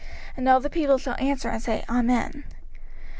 And all the people shall answer and say, Amen.